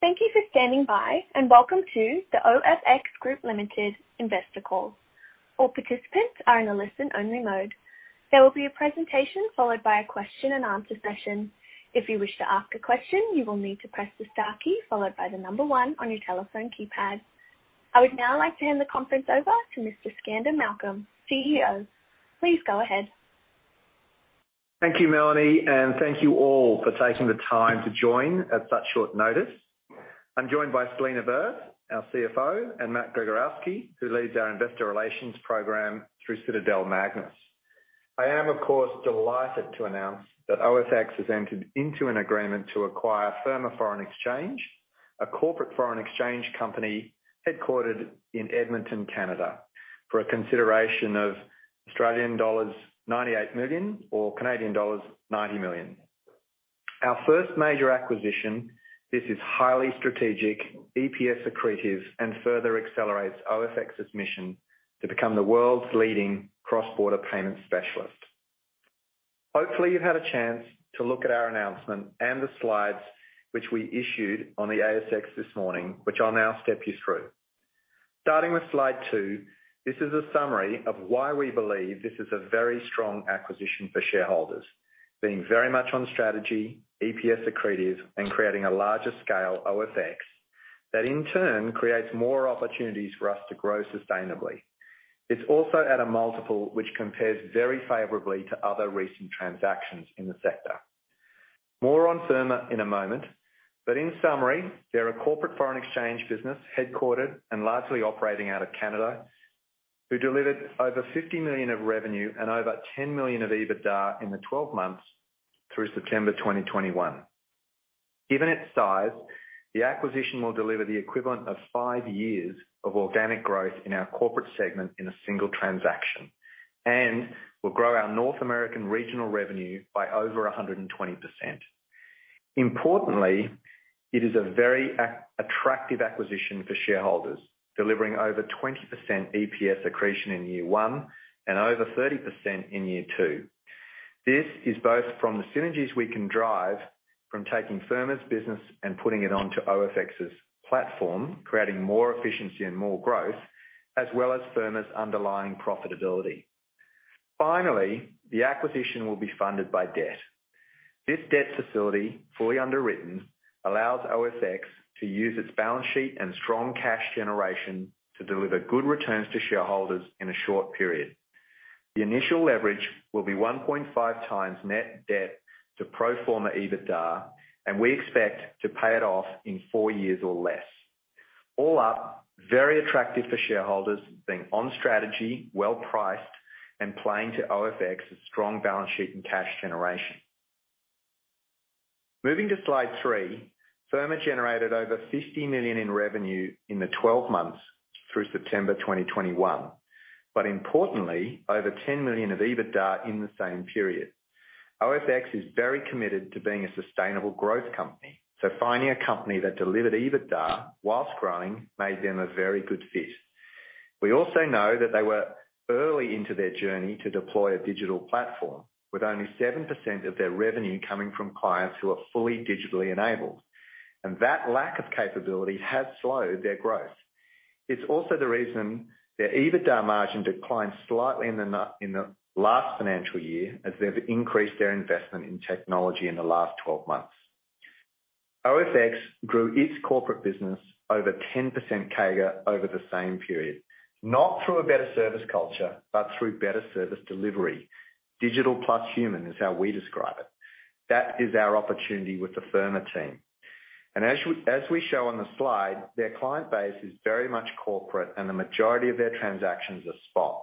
Thank you for standing by, and welcome to the OFX Group Limited Investor Call. All participants are in a listen-only mode. There will be a presentation followed by a question and answer session. If you wish to ask a question, you will need to press the star key followed by the number one on your telephone keypad. I would now like to hand the conference over to Mr. Skander Malcolm, CEO. Please go ahead. Thank you, Melanie, and thank you all for taking the time to join at such short notice. I'm joined by Selena Verth, our CFO, and Matt Gregorowski, who leads our investor relations program through Citadel-MAGNUS. I am, of course, delighted to announce that OFX has entered into an agreement to acquire Firma Foreign Exchange, a corporate foreign exchange company headquartered in Edmonton, Canada, for a consideration of Australian dollars 98 million or Canadian dollars 90 million. Our first major acquisition, this is highly strategic, EPS accretive, and further accelerates OFX's mission to become the world's leading cross-border payment specialist. Hopefully, you've had a chance to look at our announcement and the slides which we issued on the ASX this morning, which I'll now step you through. Starting with slide two, this is a summary of why we believe this is a very strong acquisition for shareholders. Being very much on strategy, EPS accretive, and creating a larger scale OFX that in turn creates more opportunities for us to grow sustainably. It's also at a multiple which compares very favorably to other recent transactions in the sector. More on Firma in a moment, but in summary, they're a corporate foreign exchange business headquartered and largely operating out of Canada, who delivered over 50 million of revenue and over 10 million of EBITDA in the 12 months through September 2021. Given its size, the acquisition will deliver the equivalent of five years of organic growth in our corporate segment in a single transaction, and will grow our North American regional revenue by over 120%. Importantly, it is a very attractive acquisition for shareholders, delivering over 20% EPS accretion in year one and over 30% in year 2. This is both from the synergies we can drive from taking Firma's business and putting it onto OFX's platform, creating more efficiency and more growth, as well as Firma's underlying profitability. Finally, the acquisition will be funded by debt. This debt facility, fully underwritten, allows OFX to use its balance sheet and strong cash generation to deliver good returns to shareholders in a short period. The initial leverage will be 1.5x net debt to pro forma EBITDA, and we expect to pay it off in four years or less. All up, very attractive for shareholders, being on strategy, well-priced, and playing to OFX's strong balance sheet and cash generation. Moving to slide 3. Firma generated over 50 million in revenue in the 12 months through September 2021, but importantly, over 10 million of EBITDA in the same period. OFX is very committed to being a sustainable growth company, so finding a company that delivered EBITDA while growing made them a very good fit. We also know that they were early into their journey to deploy a digital platform, with only 7% of their revenue coming from clients who are fully digitally enabled, and that lack of capability has slowed their growth. It's also the reason their EBITDA margin declined slightly in the last financial year, as they've increased their investment in technology in the last 12 months. OFX grew its corporate business over 10% CAGR over the same period, not through a better service culture, but through better service delivery. Digital plus human is how we describe it. That is our opportunity with the Firma team. As we show on the slide, their client base is very much corporate, and the majority of their transactions are spot,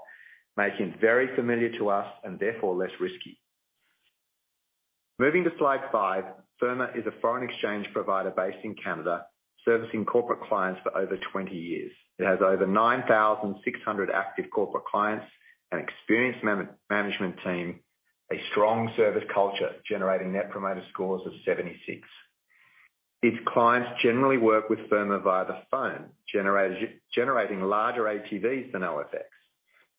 making it very familiar to us and therefore less risky. Moving to slide 5. Firma is a foreign exchange provider based in Canada, servicing corporate clients for over 20 years. It has over 9,600 active corporate clients, an experienced management team, a strong service culture generating net promoter scores of 76. Its clients generally work with Firma via the phone, generating larger ATVs than OFX,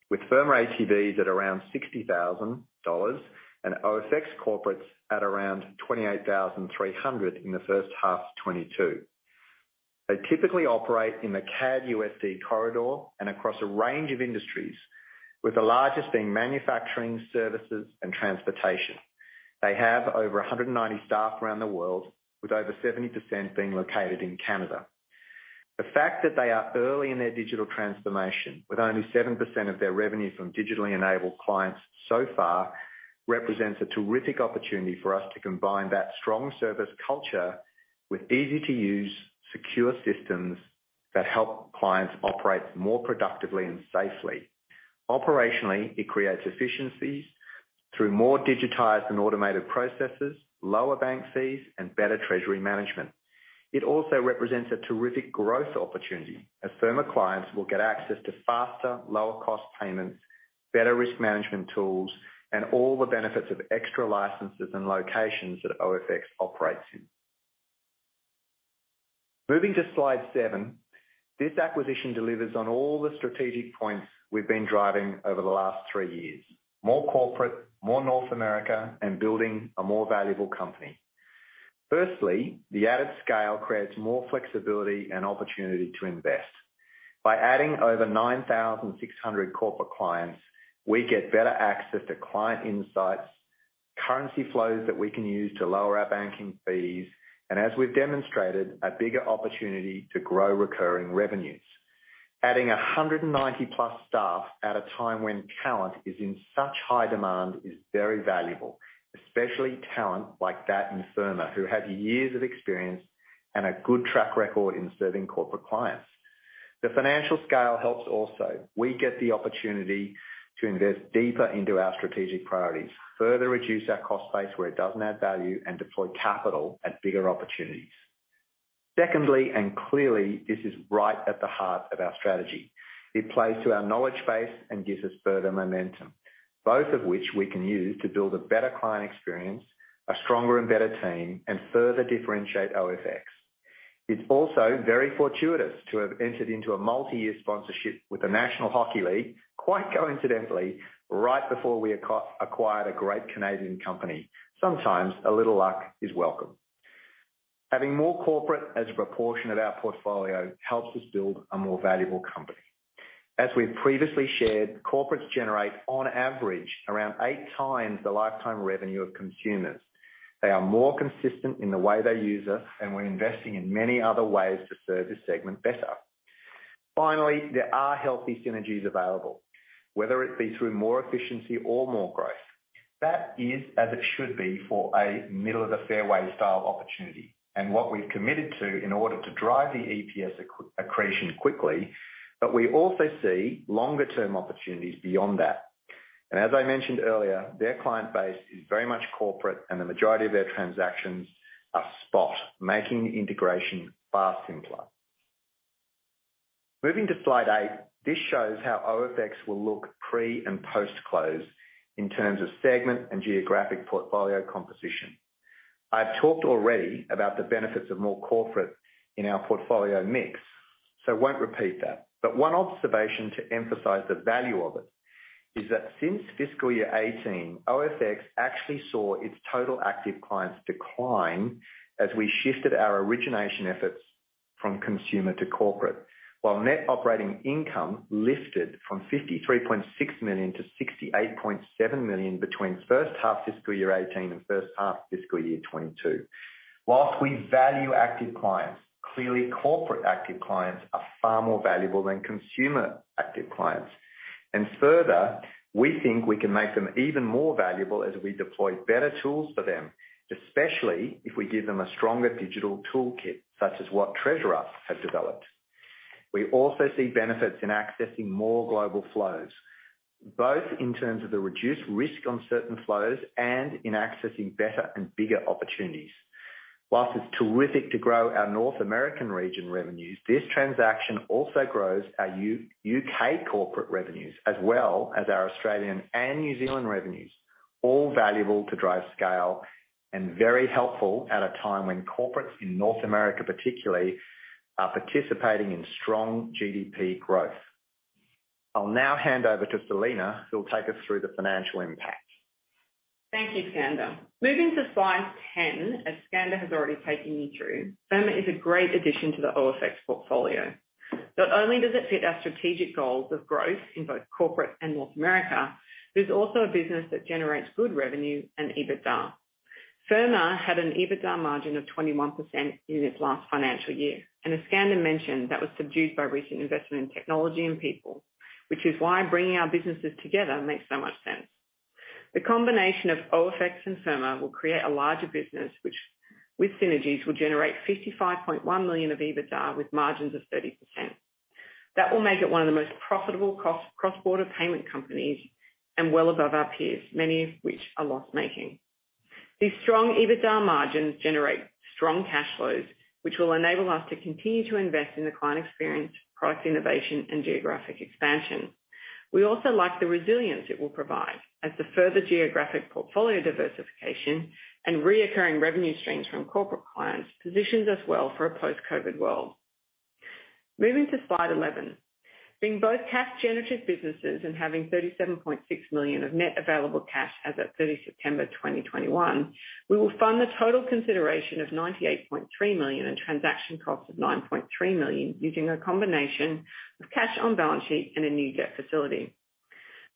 with Firma ATVs at around 60,000 dollars and OFX corporates at around 28,300 in the first half of 2022. They typically operate in the CAD, USD corridor and across a range of industries, with the largest being manufacturing, services, and transportation. They have over 190 staff around the world, with over 70% being located in Canada. The fact that they are early in their digital transformation, with only 7% of their revenue from digitally enabled clients so far, represents a terrific opportunity for us to combine that strong service culture with easy-to-use secure systems that help clients operate more productively and safely. Operationally, it creates efficiencies through more digitized and automated processes, lower bank fees, and better treasury management. It also represents a terrific growth opportunity, as Firma clients will get access to faster, lower cost payments, better risk management tools, and all the benefits of extra licenses and locations that OFX operates in. Moving to slide 7. This acquisition delivers on all the strategic points we've been driving over the last three years. More corporate, more North America, and building a more valuable company. Firstly, the added scale creates more flexibility and opportunity to invest. By adding over 9,600 corporate clients, we get better access to client insights, currency flows that we can use to lower our banking fees, and as we've demonstrated, a bigger opportunity to grow recurring revenues. Adding 190+ staff at a time when talent is in such high demand is very valuable, especially talent like that in Firma, who have years of experience and a good track record in serving corporate clients. The financial scale helps also. We get the opportunity to invest deeper into our strategic priorities, further reduce our cost base where it doesn't add value, and deploy capital at bigger opportunities. Secondly, clearly, this is right at the heart of our strategy. It plays to our knowledge base and gives us further momentum, both of which we can use to build a better client experience, a stronger and better team, and further differentiate OFX. It's also very fortuitous to have entered into a multi-year sponsorship with the National Hockey League, quite coincidentally, right before we acquired a great Canadian company. Sometimes a little luck is welcome. Having more corporate as a proportion of our portfolio helps us build a more valuable company. As we've previously shared, corporates generate, on average, around eight times the lifetime revenue of consumers. They are more consistent in the way they use us, and we're investing in many other ways to serve this segment better. Finally, there are healthy synergies available, whether it be through more efficiency or more growth. That is as it should be for a middle-of-the-fairway style opportunity. What we've committed to in order to drive the EPS accretion quickly, but we also see longer term opportunities beyond that. As I mentioned earlier, their client base is very much corporate, and the majority of their transactions are spot, making integration far simpler. Moving to slide 8. This shows how OFX will look pre and post-close in terms of segment and geographic portfolio composition. I've talked already about the benefits of more corporate in our portfolio mix, so I won't repeat that. One observation to emphasize the value of it is that since FY 2018, OFX actually saw its total active clients decline as we shifted our origination efforts from consumer to corporate. While net operating income lifted from 53.6 million-68.7 million between first half FY 2018 and first half FY 2022. While we value active clients, clearly corporate active clients are far more valuable than consumer active clients. Further, we think we can make them even more valuable as we deploy better tools for them, especially if we give them a stronger digital toolkit, such as what TreasurUp has developed. We also see benefits in accessing more global flows, both in terms of the reduced risk on certain flows and in accessing better and bigger opportunities. While it's terrific to grow our North American region revenues, this transaction also grows our U.K. corporate revenues as well as our Australian and New Zealand revenues. All valuable to drive scale and very helpful at a time when corporates in North America particularly are participating in strong GDP growth. I'll now hand over to Selena, who will take us through the financial impact. Thank you, Skander. Moving to slide 10, as Skander has already taken you through, Firma is a great addition to the OFX portfolio. Not only does it fit our strategic goals of growth in both corporate and North America, but it's also a business that generates good revenue and EBITDA. Firma had an EBITDA margin of 21% in its last financial year, and as Skander mentioned, that was subdued by recent investment in technology and people, which is why bringing our businesses together makes so much sense. The combination of OFX and Firma will create a larger business, which, with synergies, will generate 55.1 million of EBITDA with margins of 30%. That will make it one of the most profitable cross-border payment companies and well above our peers, many of which are loss-making. These strong EBITDA margins generate strong cash flows, which will enable us to continue to invest in the client experience, product innovation, and geographic expansion. We also like the resilience it will provide as the further geographic portfolio diversification and recurring revenue streams from corporate clients positions us well for a post-COVID world. Moving to slide 11. Being both cash generative businesses and having 37.6 million of net available cash as at 30 September 2021, we will fund the total consideration of 98.3 million and transaction costs of 9.3 million using a combination of cash on balance sheet and a new debt facility.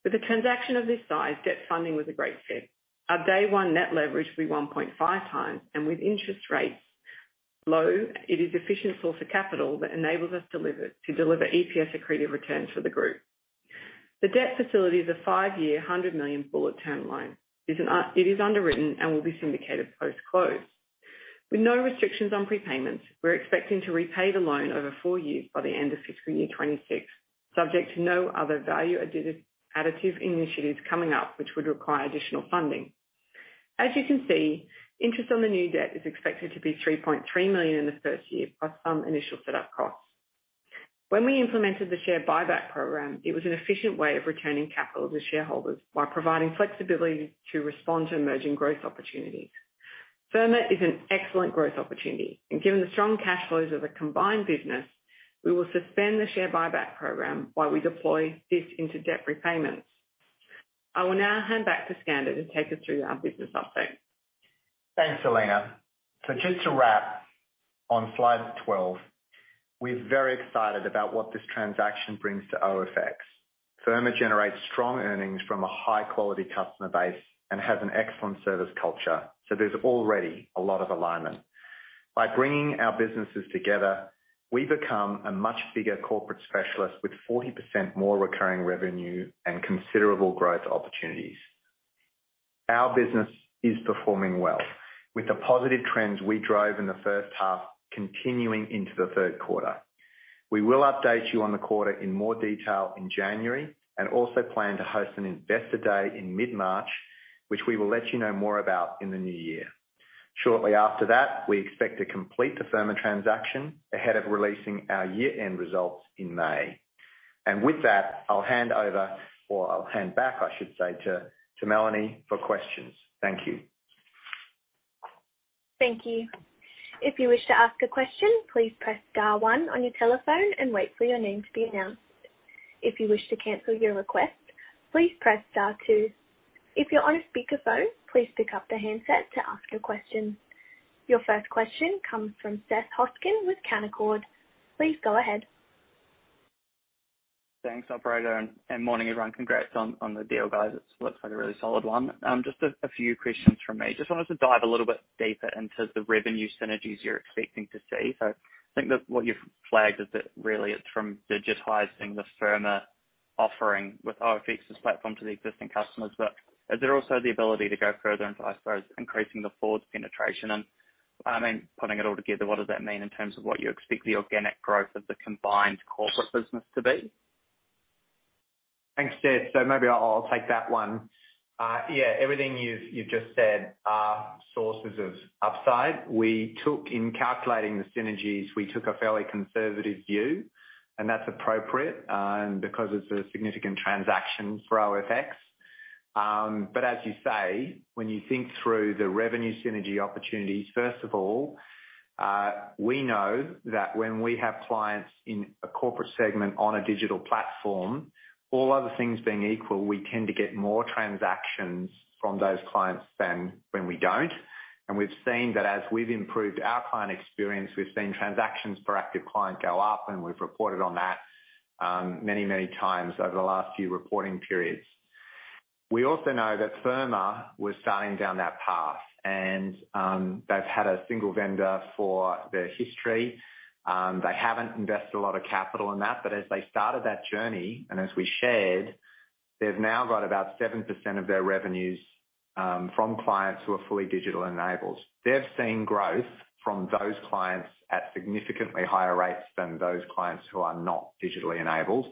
With a transaction of this size, debt funding was a great fit. Our day one net leverage will be 1.5x, and with interest rates low, it is an efficient source of capital that enables us to deliver EPS accretive returns for the group. The debt facility is a five-year, 100 million bullet term loan. It is underwritten and will be syndicated post-close. With no restrictions on prepayments, we're expecting to repay the loan over four years by the end of fiscal year 2026, subject to no other value additive initiatives coming up which would require additional funding. As you can see, interest on the new debt is expected to be 3.3 million in the first year, plus some initial setup costs. When we implemented the share buyback program, it was an efficient way of returning capital to shareholders while providing flexibility to respond to emerging growth opportunities. Firma is an excellent growth opportunity and given the strong cash flows of the combined business, we will suspend the share buyback program while we deploy this into debt repayments. I will now hand back to Skander to take us through our business update. Thanks, Selena. Just to wrap on slide 12, we're very excited about what this transaction brings to OFX. Firma generates strong earnings from a high-quality customer base and has an excellent service culture. There's already a lot of alignment. By bringing our businesses together, we become a much bigger corporate specialist with 40% more recurring revenue and considerable growth opportunities. Our business is performing well with the positive trends we drove in the first half continuing into the third quarter. We will update you on the quarter in more detail in January, and also plan to host an investor day in mid-March, which we will let you know more about in the new year. Shortly after that, we expect to complete the Firma transaction ahead of releasing our year-end results in May. With that, I'll hand over or I'll hand back, I should say, to Melanie for questions. Thank you. Thank you. If you wish to ask a question, please press star one on your telephone and wait for your name to be announced. If you wish to cancel your request, please press star two. If you're on a speakerphone, please pick up the handset to ask your question. Your first question comes from Seth Hoskin with Canaccord. Please go ahead. Thanks, operator, and morning, everyone. Congrats on the deal, guys. It looks like a really solid one. Just a few questions from me. Just wanted to dive a little bit deeper into the revenue synergies you're expecting to see. I think that what you've flagged is that really it's from digitizing the Firma offering with OFX's platform to the existing customers. Is there also the ability to go further into, I suppose, increasing the further penetration? Putting it all together, what does that mean in terms of what you expect the organic growth of the combined corporate business to be? Thanks, Seth. Maybe I'll take that one. Yeah, everything you've just said are sources of upside. We took, in calculating the synergies, a fairly conservative view, and that's appropriate because it's a significant transaction for OFX. As you say, when you think through the revenue synergy opportunities, first of all, we know that when we have clients in a corporate segment on a digital platform, all other things being equal, we tend to get more transactions from those clients than when we don't. We've seen that as we've improved our client experience, we've seen transactions per active client go up, and we've reported on that many times over the last few reporting periods. We also know that Firma was starting down that path and they've had a single vendor for their history. They haven't invested a lot of capital in that. As they started that journey, and as we shared, they've now got about 7% of their revenues from clients who are fully digital enabled. They've seen growth from those clients at significantly higher rates than those clients who are not digitally enabled.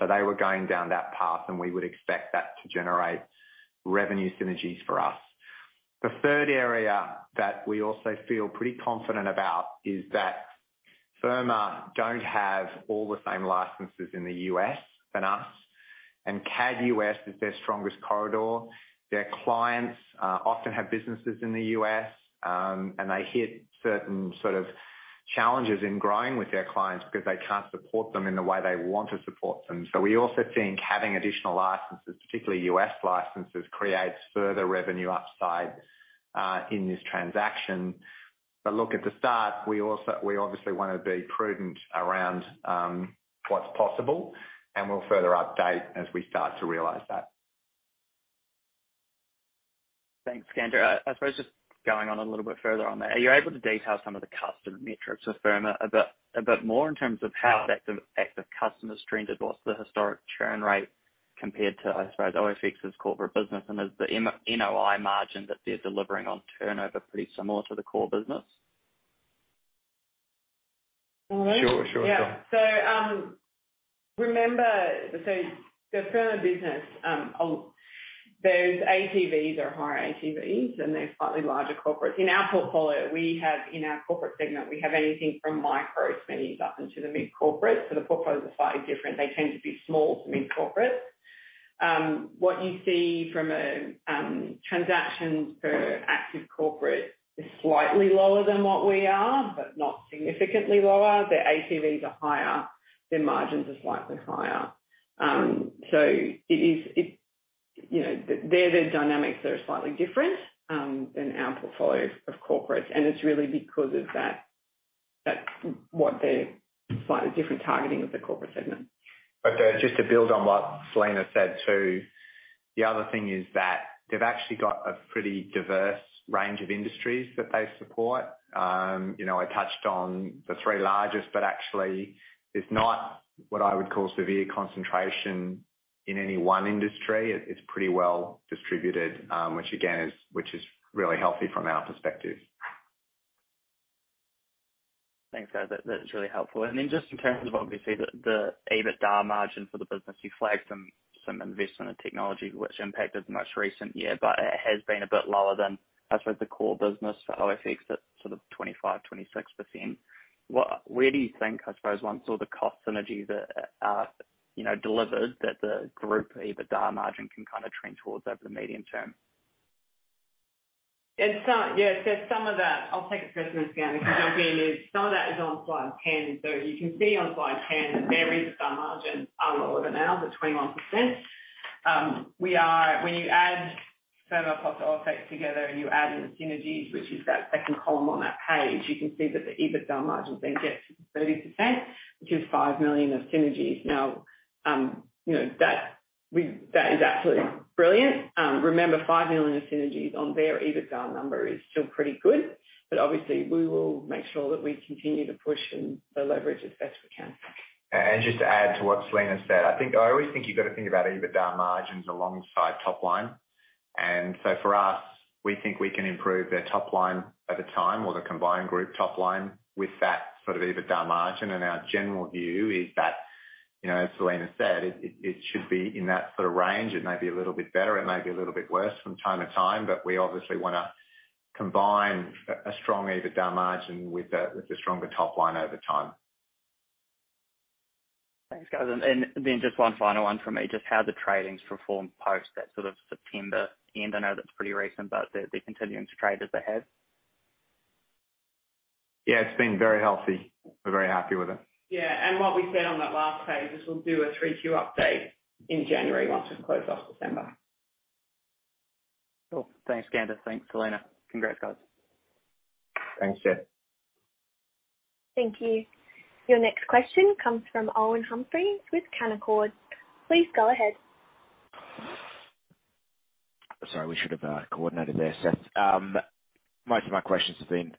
They were going down that path, and we would expect that to generate revenue synergies for us. The third area that we also feel pretty confident about is that Firma don't have all the same licenses in the U.S. than us, and CAD-USD is their strongest corridor. Their clients often have businesses in the U.S., and they hit certain sort of challenges in growing with their clients because they can't support them in the way they want to support them. We also think having additional licenses, particularly U.S. licenses, creates further revenue upside in this transaction. Look, at the start, we obviously wanna be prudent around what's possible, and we'll further update as we start to realize that. Thanks, Skander. I suppose just going on a little bit further on there, are you able to detail some of the customer metrics of Firma a bit more in terms of how active customers trended? What's the historic churn rate compared to, I suppose, OFX's corporate business? And is the NOI margin that they're delivering on turnover pretty similar to the core business? All right. Sure, sure. Yeah. Remember, the Firma business, those ATVs are higher ATVs and they're slightly larger corporates. In our portfolio, we have, in our corporate segment, we have anything from micro SMEs up into the mid corporate. The portfolios are slightly different. They tend to be small to mid-corporate. What you see from a transactions per active corporate is slightly lower than what we are, but not significantly lower. Their ATVs are higher. Their margins are slightly higher. It is, you know, their dynamics are slightly different than our portfolio of corporates. It's really because of that's what they're slightly different targeting of the corporate segment. Just to build on what Selena said, too, the other thing is that they've actually got a pretty diverse range of industries that they support. You know, I touched on the three largest, but actually it's not what I would call severe concentration in any one industry. It's pretty well distributed, which again is really healthy from our perspective. Thanks, guys. That's really helpful. Then just in terms of obviously the EBITDA margin for the business, you flagged some investment in technology which impacted the most recent year, but it has been a bit lower than, I suppose, the core business for OFX at sort of 25%-26%. Where do you think, I suppose once all the cost synergies are, you know, delivered that the group EBITDA margin can kind of trend towards over the medium term? Yeah, some of that, I'll take it first and then Skander can jump in, is on slide 10. You can see on slide 10 the very Mm-hmm. EBITDA margins are lower than ours at 21%. When you add Firma plus OFX together and you add in the synergies, which is that second column on that page, you can see that the EBITDA margins then get to 30%, which is 5 million of synergies. Now, you know, that is absolutely brilliant. Remember, 5 million of synergies on their EBITDA number is still pretty good. Obviously we will make sure that we continue to push and the leverage as best we can. Just to add to what Selena said, I think, I always think you've got to think about EBITDA margins alongside top line. For us, we think we can improve their top line over time or the combined group top line with that sort of EBITDA margin. Our general view is that, you know, as Selena said, it should be in that sort of range. It may be a little bit better, it may be a little bit worse from time to time. We obviously wanna combine a strong EBITDA margin with the stronger top line over time. Thanks, guys. Just one final one from me. Just how the trading's performed post that sort of September end. I know that's pretty recent, but the continuing trends ahead. Yeah, it's been very healthy. We're very happy with it. Yeah. What we said on that last page is we'll do a 3Q update in January once we've closed off December. Cool. Thanks, Skander. Thanks, Selena. Congrats, guys. Thanks, Seth. Thank you. Your next question comes from Owen Humphries with Canaccord. Please go ahead. Sorry, we should have coordinated there, Seth. Most of my questions have been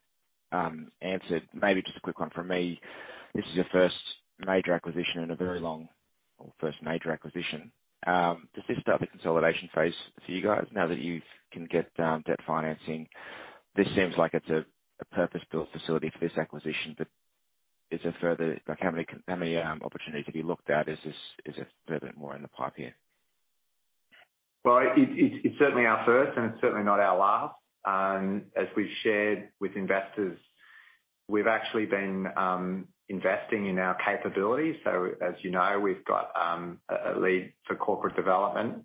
answered. Maybe just a quick one from me. This is your first major acquisition. Does this start the consolidation phase for you guys now that you can get debt financing? This seems like it's a purpose-built facility for this acquisition, but is there further? Like, how many opportunities have you looked at? Is there a bit more in the pipe here? Well, it's certainly our first, and it's certainly not our last. As we've shared with investors, we've actually been investing in our capabilities. As you know, we've got a lead for corporate development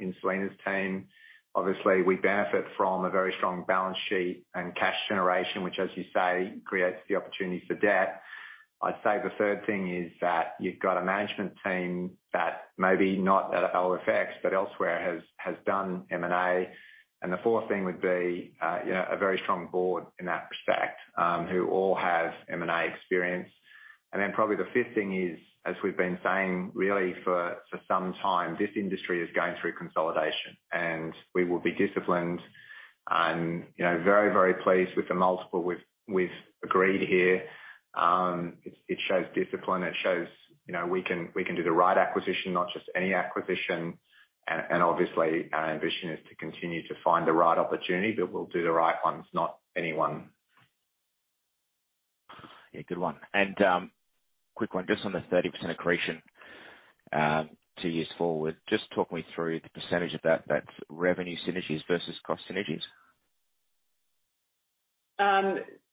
in Selena's team. Obviously, we benefit from a very strong balance sheet and cash generation, which, as you say, creates the opportunities for debt. I'd say the third thing is that you've got a management team that maybe not at OFX, but elsewhere, has done M&A. The fourth thing would be, you know, a very strong board in that respect, who all have M&A experience. Then probably the fifth thing is, as we've been saying really for some time, this industry is going through consolidation and we will be disciplined and, you know, very pleased with the multiple we've agreed here. It shows discipline. It shows, you know, we can do the right acquisition, not just any acquisition. Obviously our ambition is to continue to find the right opportunity, but we'll do the right ones, not any one. Yeah, good one. Quick one just on the 30% accretion, two years forward. Just talk me through the percentage of that's revenue synergies versus cost synergies.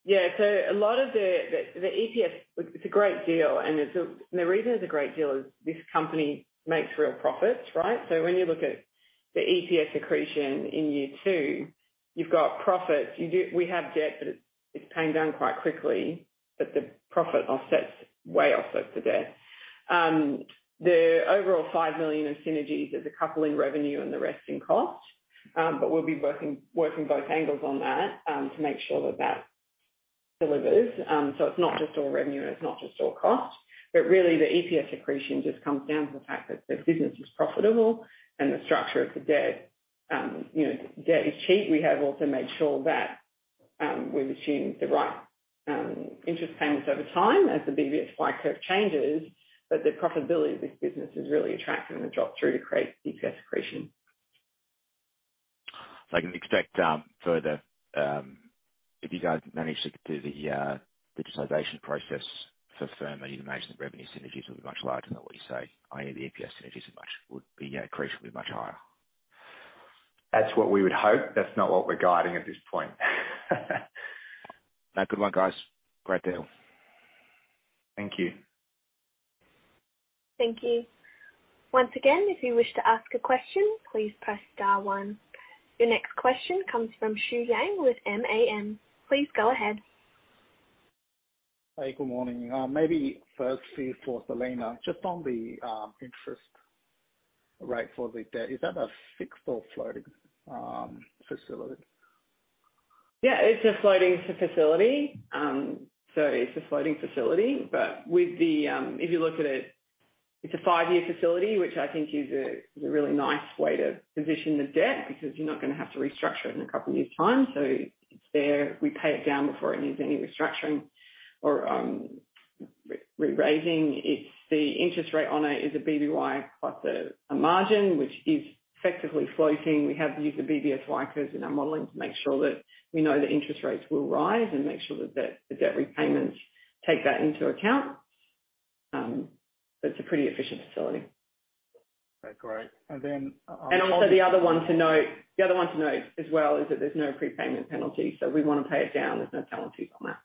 Yeah. A lot of the EPS, it's a great deal. The reason it's a great deal is this company makes real profits, right? When you look at the EPS accretion in year 2, you've got profits. We have debt, but it's paying down quite quickly. The profit offsets the debt. The overall 5 million of synergies is a couple in revenue and the rest in cost. We'll be working both angles on that to make sure that delivers. It's not just all revenue and it's not just all cost, but really the EPS accretion just comes down to the fact that the business is profitable and the structure of the debt, you know, debt is cheap. We have also made sure that, we've assumed the right, interest payments over time as the BBSY curve changes. The profitability of this business is really attractive and the drop through to create EPS accretion. I can expect further if you guys manage to do the digitalization process for Firma, you imagine the revenue synergies will be much larger than what you say? I know the EPS synergies would be, you know, accretion will be much higher. That's what we would hope. That's not what we're guiding at this point. No. Good one, guys. Great deal. Thank you. Thank you. Once again, if you wish to ask a question, please press star one. Your next question comes from Xu Yang with MAM. Please go ahead. Hey, good morning. Maybe firstly for Selena, just on the interest rate for the debt. Is that a fixed or floating facility? Yeah, it's a floating facility, but if you look at it's a five-year facility, which I think is a really nice way to position the debt, because you're not gonna have to restructure it in a couple of years' time. It's there. We pay it down before it needs any restructuring or re-raising. The interest rate on it is a BBSY plus a margin which is effectively floating. We have used the BBSY curves in our modeling to make sure that we know the interest rates will rise and make sure that the debt repayments take that into account. But it's a pretty efficient facility. Okay, great. Also, the other one to note as well is that there's no prepayment penalty, so if we wanna pay it down, there's no penalty on that.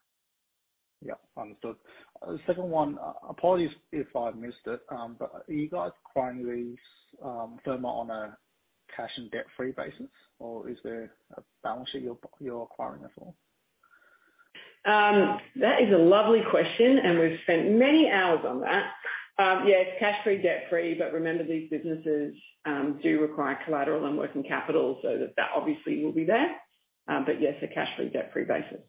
Yeah, understood. The second one, apologies if I missed it, but are you guys acquiring these Firma on a cash and debt-free basis, or is there a balance sheet you're acquiring that for? That is a lovely question, and we've spent many hours on that. Yes, cash-free, debt-free. Remember, these businesses do require collateral and working capital so that obviously will be there. Yes, a cash-free, debt-free basis.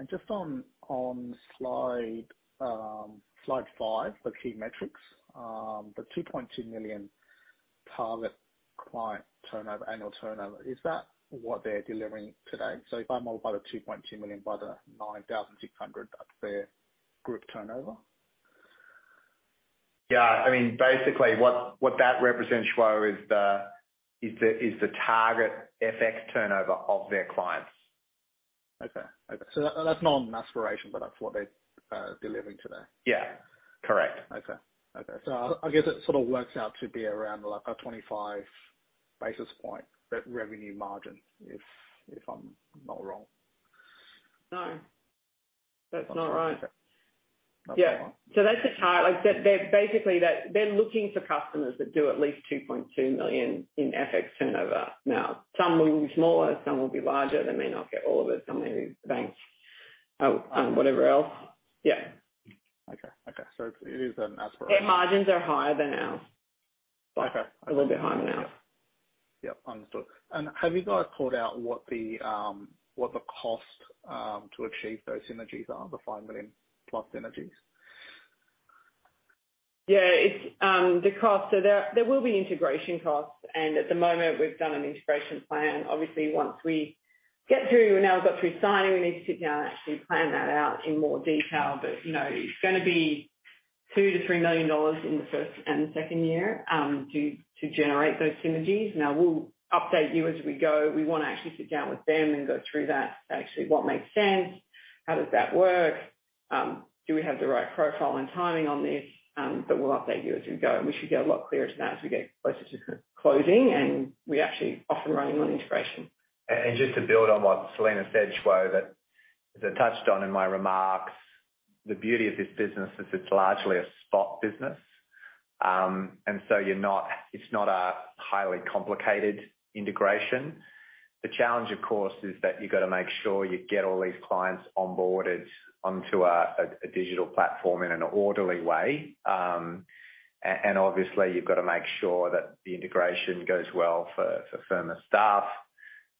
Okay. Just on slide 5, the key metrics, the 2.2 million target client turnover, annual turnover, is that what they're delivering today? If I multiply the 2.2 million by the 9,600, that's their group turnover. Yeah. I mean, basically what that represents, Xu Yang, is the target FX turnover of their clients. That's not an aspiration, but that's what they're delivering today. Yeah. Correct. Okay. I guess it sort of works out to be around like a 25 basis point that revenue margin if I'm not wrong. No, that's not right. Okay. Yeah. That's the target. Like, they're basically targeting customers that do at least 2.2 million in FX turnover. Now, some will be smaller, some will be larger. They may not get all of it from maybe banks. Oh, whatever else. Yeah. Okay. It is an aspiration. Their margins are higher than ours. Okay. A little bit higher than ours. Yeah. Understood. Have you guys called out what the cost to achieve those synergies are? The 5 million plus synergies? It's the cost. There will be integration costs and at the moment we've done an integration plan. Obviously, we've got through signing, we need to sit down and actually plan that out in more detail. You know, it's gonna be 2 million-3 million dollars in the first and second year to generate those synergies. Now, we'll update you as we go. We wanna actually sit down with them and go through that. Actually, what makes sense, how does that work? Do we have the right profile and timing on this? We'll update you as we go, and we should get a lot clearer on that as we get closer to closing and we're actually off and running on integration. Just to build on what Selena said, Xu Yang, that as I touched on in my remarks, the beauty of this business is it's largely a spot business. You're not, it's not a highly complicated integration. The challenge, of course, is that you've got to make sure you get all these clients onboarded onto a digital platform in an orderly way. Obviously, you've got to make sure that the integration goes well for Firma staff.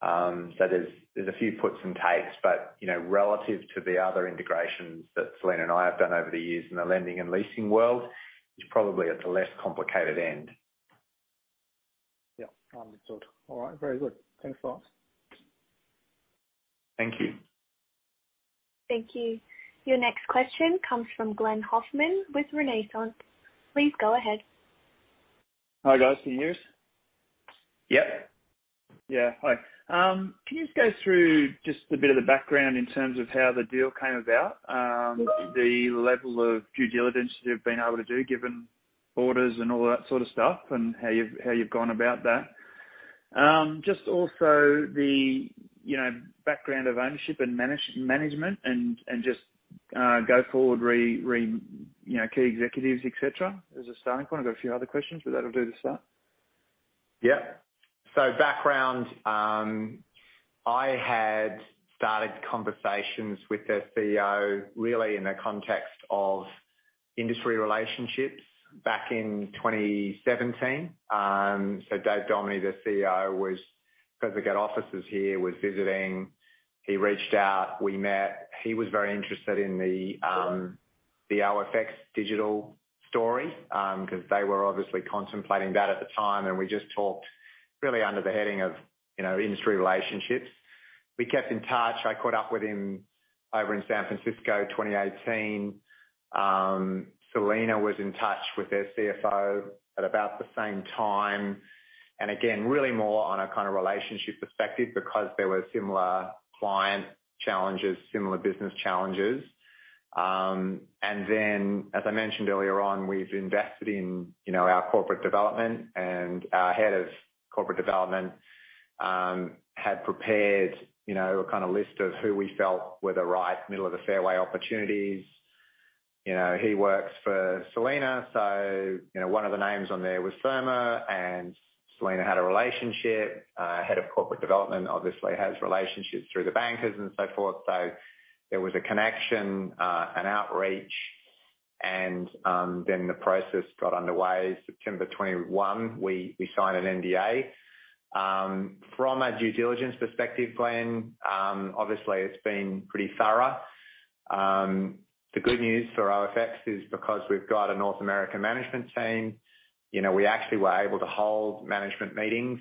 So there's a few puts and takes, but you know, relative to the other integrations that Selena and I have done over the years in the lending and leasing world, it's probably at the less complicated end. Yeah. Understood. All right. Very good. Thanks a lot. Thank you. Thank you. Your next question comes from Glen Hoffman with Renaissance. Please go ahead. Hi, guys. Can you hear us? Yep. Yeah. Hi. Can you just go through just a bit of the background in terms of how the deal came about, the level of due diligence you've been able to do given orders and all that sort of stuff and how you've gone about that? Just also the, you know, background of ownership and management and just go forward, you know, key executives, et cetera, as a starting point. I've got a few other questions, but that'll do to start. Yeah. Background, I had started conversations with their CEO really in the context of industry relationships back in 2017. Dave Dominy, their CEO, 'cause they got offices here, was visiting. He reached out, we met. He was very interested in the OFX digital story, 'cause they were obviously contemplating that at the time. We just talked really under the heading of, you know, industry relationships. We kept in touch. I caught up with him over in San Francisco, 2018. Selena was in touch with their CFO at about the same time. Again, really more on a kinda relationship perspective because there were similar client challenges, similar business challenges. As I mentioned earlier on, we've invested in, you know, our corporate development and our head of corporate development had prepared, you know, a kind of list of who we felt were the right middle-of-the-fairway opportunities. You know, he works for Selena, you know, one of the names on there was Firma, and Selena had a relationship. Our head of corporate development obviously has relationships through the bankers and so forth. There was a connection, an outreach, and then the process got underway. September 21, we signed an NDA. From a due diligence perspective, Glen, obviously it's been pretty thorough. The good news for OFX is because we've got a North American management team, you know, we actually were able to hold management meetings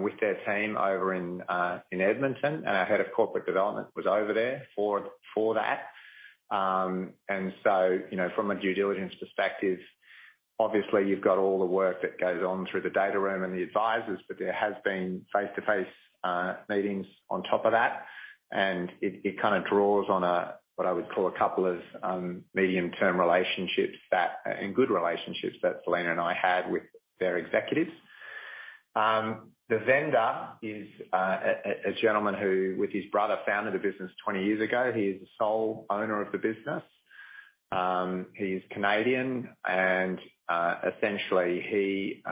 with their team over in Edmonton. Our head of corporate development was over there for that. You know, from a due diligence perspective, obviously you've got all the work that goes on through the data room and the advisors, but there has been face-to-face meetings on top of that. It kinda draws on what I would call a couple of medium-term relationships and good relationships that Selena and I had with their executives. The vendor is a gentleman who, with his brother, founded a business 20 years ago. He is the sole owner of the business. He's Canadian and essentially he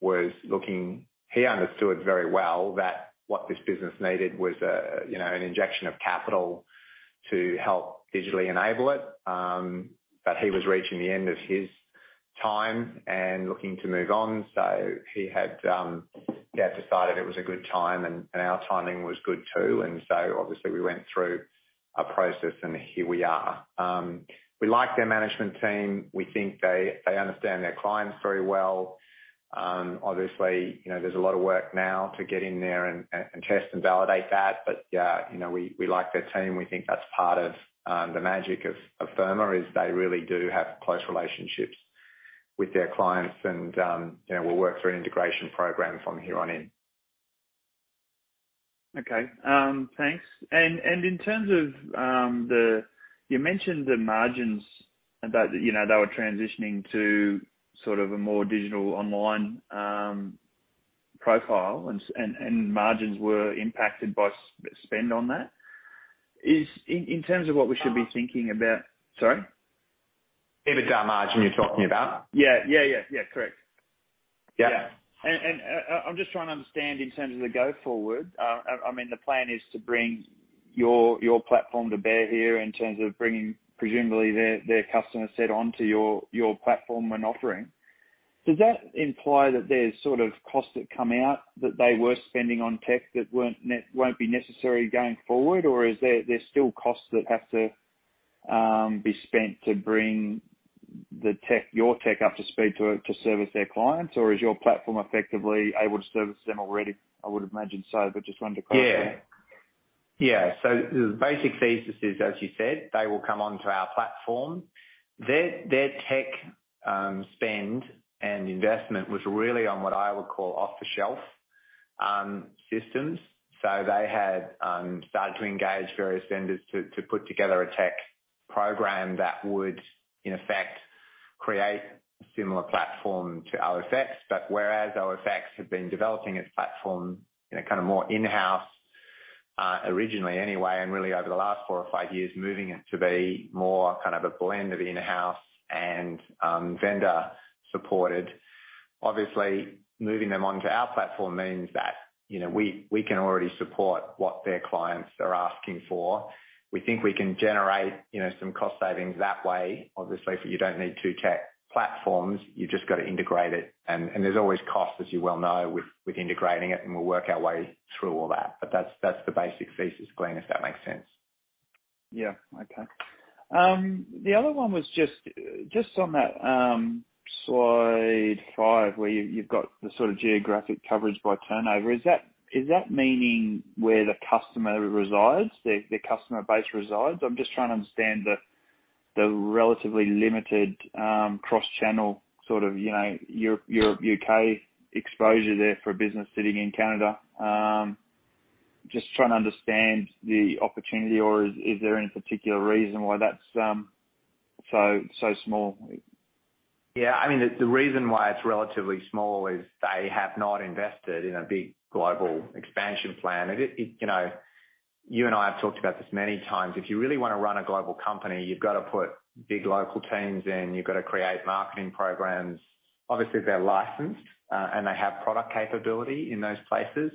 was looking. He understood very well that what this business needed was a you know, an injection of capital to help digitally enable it. He was reaching the end of his time and looking to move on. He had yeah decided it was a good time, and our timing was good, too. Obviously we went through a process, and here we are. We like their management team. We think they understand their clients very well. Obviously, you know, there's a lot of work now to get in there and test and validate that. Yeah, you know, we like their team. We think that's part of the magic of Firma is they really do have close relationships with their clients and you know we'll work through an integration program from here on in. Okay. Thanks. In terms of, you mentioned the margins about, you know, they were transitioning to sort of a more digital online profile and margins were impacted by spend on that. In terms of what we should be thinking about. Sorry? EBITDA margin you're talking about? Yeah. Correct. Yeah. I'm just trying to understand in terms of the go forward, I mean, the plan is to bring your platform to bear here in terms of bringing presumably their customer set onto your platform and offering. Does that imply that there's sort of costs that come out that they were spending on tech that won't be necessary going forward? Or there's still costs that have to be spent to bring the tech, your tech up to speed to service their clients? Or is your platform effectively able to service them already? I would imagine so, but just wanted to clarify. The basic thesis is, as you said, they will come onto our platform. Their tech spend and investment was really on what I would call off-the-shelf systems. They had started to engage various vendors to put together a tech program that would, in effect, create a similar platform to OFX. Whereas OFX had been developing its platform in a kind of more in-house originally anyway, and really over the last four or five years, moving it to be more kind of a blend of in-house and vendor supported. Obviously, moving them onto our platform means that we can already support what their clients are asking for. We think we can generate some cost savings that way, obviously, because you don't need two tech platforms, you've just got to integrate it. there's always costs, as you well know, with integrating it, and we'll work our way through all that. That's the basic thesis, Glen, if that makes sense. Yeah. Okay. The other one was just on that, slide 5, where you've got the sort of geographic coverage by turnover. Is that meaning where the customer resides, the customer base resides? I'm just trying to understand the relatively limited, cross-channel sort of, Europe, U.K. exposure there for a business sitting in Canada. Just trying to understand the opportunity or is there any particular reason why that's so small? Yeah. I mean, the reason why it's relatively small is they have not invested in a big global expansion plan. It is, you know, you and I have talked about this many times. If you really wanna run a global company, you've got to put big local teams in, you've got to create marketing programs. Obviously, they're licensed, and they have product capability in those places.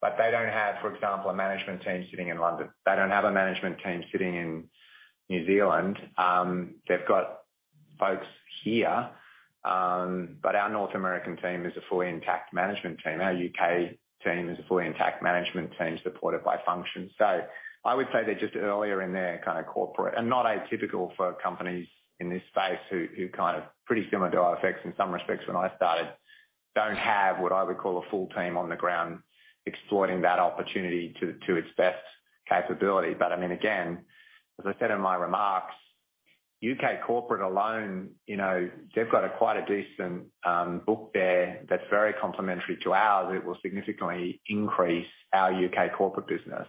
But they don't have, for example, a management team sitting in London. They don't have a management team sitting in New Zealand. They've got folks here, but our North American team is a fully intact management team. Our U.K. team is a fully intact management team supported by functions. I would say they're just earlier in their kind of corporate, and not atypical for companies in this space who kind of pretty similar to OFX in some respects when I started, don't have what I would call a full team on the ground exploiting that opportunity to its best capability. But I mean, again, as I said in my remarks, UK corporate alone, you know, they've got quite a decent book there that's very complementary to ours. It will significantly increase our UK corporate business.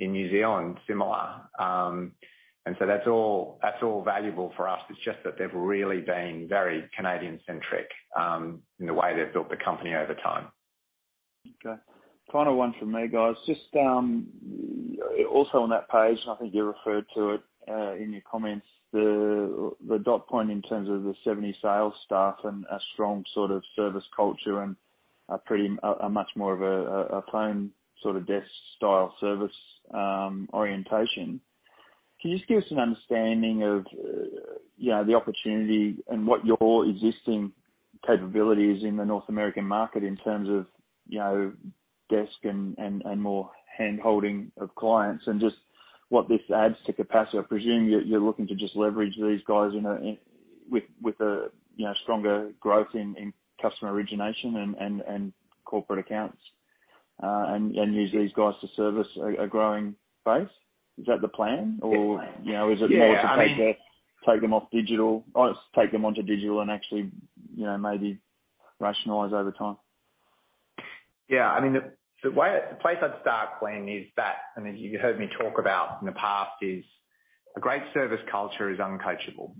In New Zealand, similar. That's all valuable for us. It's just that they've really been very Canadian-centric in the way they've built the company over time. Okay. Final one from me, guys. Just also on that page, I think you referred to it in your comments, the dot point in terms of the 70 sales staff and a strong sort of service culture and a pretty much more of a plain sort of desk style service orientation. Can you just give us an understanding of you know, the opportunity and what your existing capability is in the North American market in terms of you know, desk and more handholding of clients and just what this adds to capacity? I presume you're looking to just leverage these guys in with a you know, stronger growth in customer origination and corporate accounts and use these guys to service a growing base. Is that the plan? Or Yeah. You know, is it more to take their. Yeah. I mean. Take them off digital or take them onto digital and actually, you know, maybe rationalize over time? Yeah, I mean, the place I'd start, Glen, is that, I mean, you've heard me talk about in the past is a great service culture is uncoachable.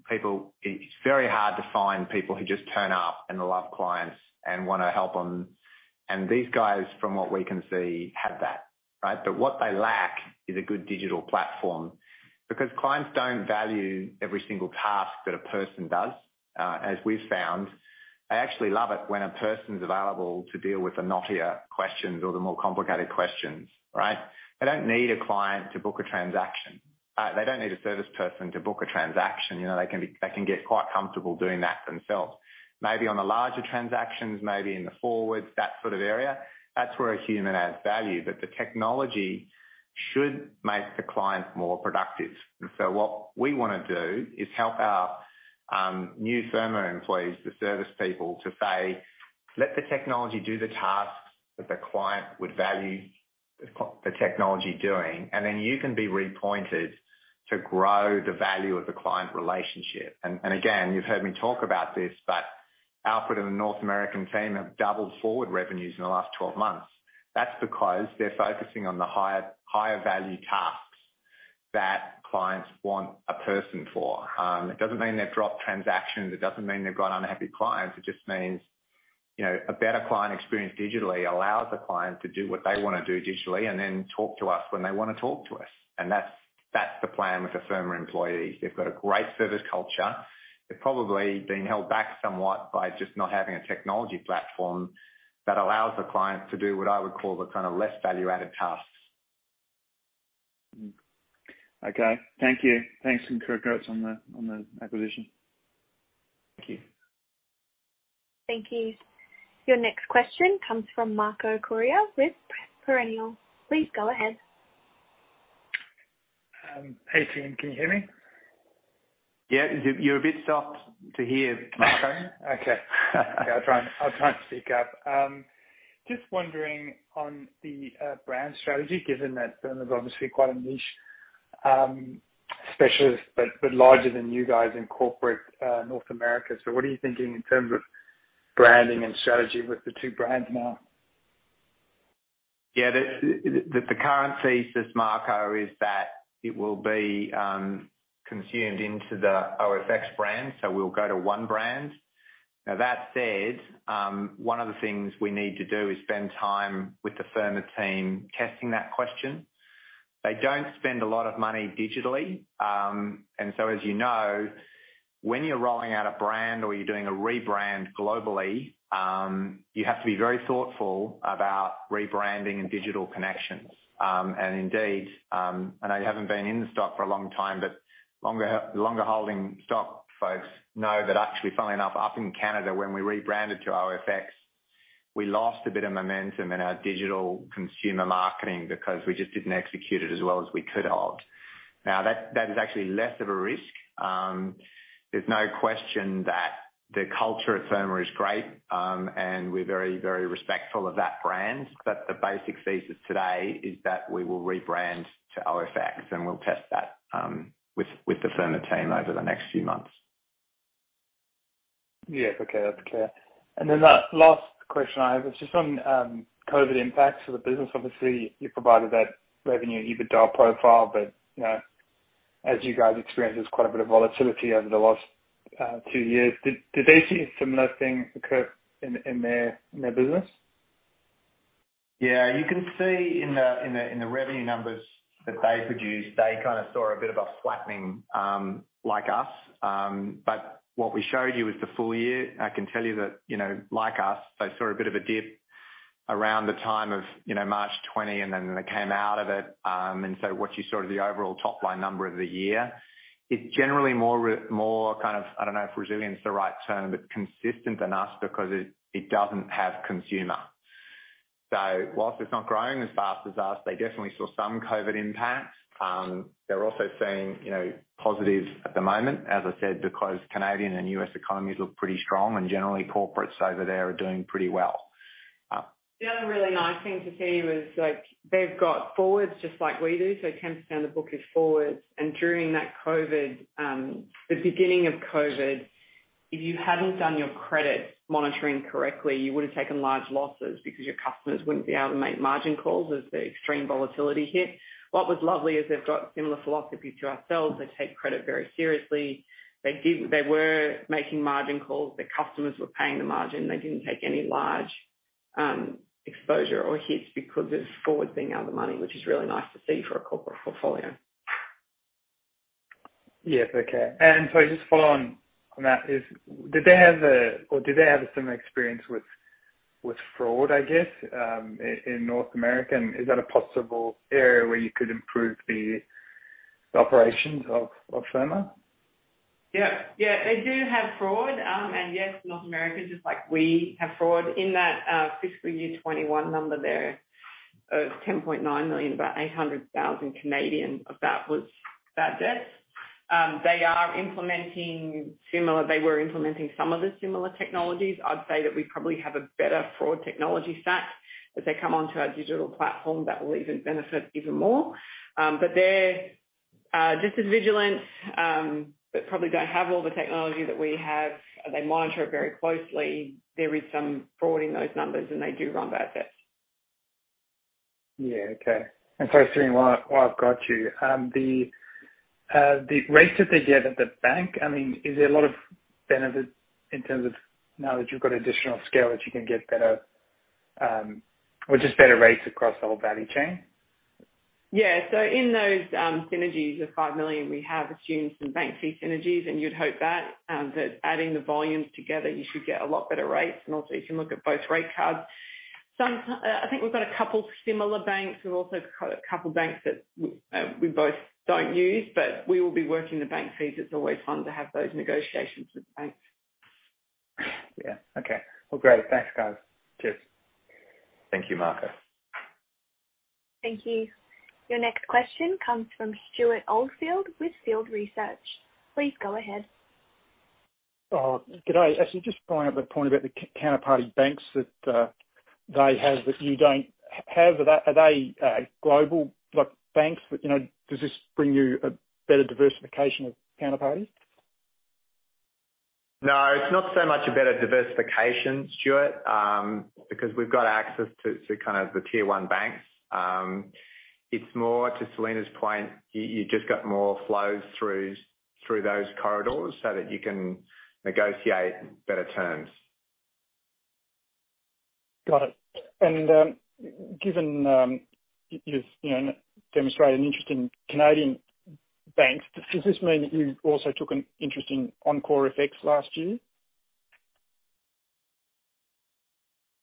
It's very hard to find people who just turn up and love clients and wanna help them. These guys, from what we can see, have that, right? What they lack is a good digital platform, because clients don't value every single task that a person does, as we've found. They actually love it when a person's available to deal with the knottier questions or the more complicated questions, right? They don't need a client to book a transaction. They don't need a service person to book a transaction. You know, they can get quite comfortable doing that themselves. Maybe on the larger transactions, maybe in the forwards, that sort of area, that's where a human adds value. The technology should make the clients more productive. What we wanna do is help our new Firma employees, the service people, to say, "Let the technology do the tasks that the client would value the technology doing, and then you can be repointed to grow the value of the client relationship." Again, you've heard me talk about this, but Alfred and the North American team have doubled forward revenues in the last 12 months. That's because they're focusing on the higher value tasks that clients want a person for. It doesn't mean they've dropped transactions. It doesn't mean they've got unhappy clients. It just means, you know, a better client experience digitally allows the client to do what they wanna do digitally and then talk to us when they wanna talk to us. That's the plan with the Firma employees. They've got a great service culture. They're probably being held back somewhat by just not having a technology platform that allows the clients to do what I would call the kinda less value-added tasks. Okay. Thank you. Thanks, and congrats on the acquisition. Thank you. Thank you. Your next question comes from Marco Correia with Perennial. Please go ahead. Hey team, can you hear me? Yeah. You're a bit soft to hear, Marco. Okay. I'll try and speak up. Just wondering on the brand strategy, given that Firma's obviously quite a niche specialist, but larger than you guys in corporate North America. What are you thinking in terms of branding and strategy with the two brands now? Yeah. The current thesis, Marco, is that it will be consumed into the OFX brand. We'll go to one brand. Now, that said, one of the things we need to do is spend time with the Firma team testing that question. They don't spend a lot of money digitally. As you know, when you're rolling out a brand or you're doing a rebrand globally, you have to be very thoughtful about rebranding and digital connections. Indeed, I know you haven't been in the stock for a long time, but longer holding stock folks know that actually, funnily enough, up in Canada, when we rebranded to OFX, we lost a bit of momentum in our digital consumer marketing because we just didn't execute it as well as we could have. Now that is actually less of a risk. There's no question that the culture at Firma is great. We're very, very respectful of that brand. The basic thesis today is that we will rebrand to OFX, and we'll test that with the Firma team over the next few months. Yeah. Okay. That's clear. The last question I have is just on COVID impacts for the business. Obviously, you provided that revenue EBITDA profile, but you know, as you guys experienced, there's quite a bit of volatility over the last two years. Did they see a similar thing occur in their business? Yeah. You can see in the revenue numbers that they produced, they kinda saw a bit of a flattening, like us. What we showed you is the full year. I can tell you that, you know, like us, they saw a bit of a dip around the time of, you know, March 2020, and then they came out of it. What you saw is the overall top-line number of the year. It's generally more kind of, I don't know if resilient is the right term, but consistent than us because it doesn't have consumer. While it's not growing as fast as us, they definitely saw some COVID impacts. They're also seeing, you know, positives at the moment, as I said, because Canadian and U.S. economies look pretty strong, and generally corporates over there are doing pretty well. The other really nice thing to see was, like, they've got forwards just like we do. 10% of the book is forwards. During that COVID, the beginning of COVID, if you hadn't done your credit monitoring correctly, you would've taken large losses because your customers wouldn't be able to make margin calls as the extreme volatility hit. What was lovely is they've got similar philosophy to ourselves. They take credit very seriously. They were making margin calls. The customers were paying the margin. They didn't take any large, exposure or hits because of forwards being out of the money, which is really nice to see for a corporate portfolio. Yes. Okay. Sorry, just to follow on that. Or did they have a similar experience with fraud, I guess, in North America? Is that a possible area where you could improve the operations of Firma? Yeah. They do have fraud, and yes, North America, just like we have fraud. In that fiscal year 2021 number there, 10.9 million, about 800,000 of that was bad debt. They are implementing similar—they were implementing some of the similar technologies. I'd say that we probably have a better fraud technology stack. As they come onto our digital platform, that will even benefit even more. But their just as vigilant, but probably don't have all the technology that we have. They monitor it very closely. There is some fraud in those numbers, and they do run bad debts. Yeah. Okay. Sorry, Selena, while I've got you. The rates that they get at the bank, I mean, is there a lot of benefit in terms of now that you've got additional scale, that you can get better, or just better rates across the whole value chain? Yeah. In those synergies of 5 million, we have assumed some bank fee synergies, and you'd hope that adding the volumes together, you should get a lot better rates. Also you can look at both rate cards. I think we've got a couple similar banks. We've also got a couple banks that we both don't use, but we will be working the bank fees. It's always fun to have those negotiations with banks. Yeah. Okay. Well, great. Thanks, guys. Cheers. Thank you, Marco. Thank you. Your next question comes from Stewart Oldfield with Field Research. Please go ahead. Good day. Actually, just following up on a point about the counterparty banks that they have that you don't have. Are they global like banks that you know? Does this bring you a better diversification of counterparties? No, it's not so much a better diversification, Stewart, because we've got access to kind of the Tier 1 banks. It's more to Selena's point, you just got more flows through those corridors so that you can negotiate better terms. Got it. Given you've, you know, demonstrated an interest in Canadian banks, does this mean that you also took an interest in EncoreFX last year?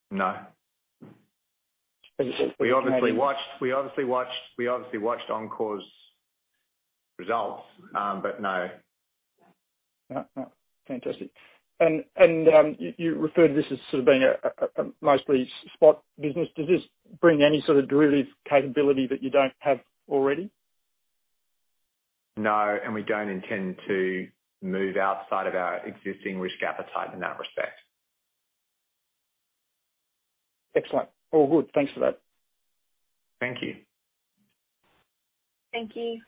No. As in- We obviously watched EncoreFX's results, but no. No. Fantastic. You referred to this as sort of being a mostly spot business. Does this bring any sort of derivatives capability that you don't have already? No, and we don't intend to move outside of our existing risk appetite in that respect. Excellent. All good. Thanks for that. Thank you. Thank you.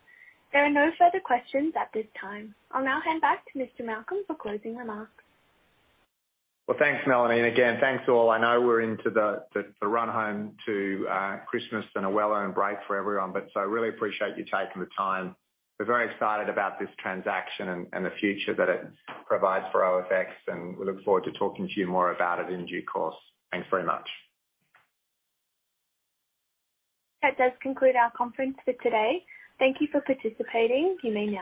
There are no further questions at this time. I'll now hand back to Mr. Malcolm for closing remarks. Well, thanks, Melanie. And again, thanks, all. I know we're into the run home to Christmas and a well-earned break for everyone, but really appreciate you taking the time. We're very excited about this transaction and the future that it provides for OFX, and we look forward to talking to you more about it in due course. Thanks very much. That does conclude our conference for today. Thank you for participating. You may now disconnect.